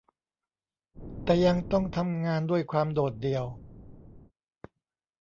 แต่ยังต้องทำงานด้วยความโดดเดี่ยว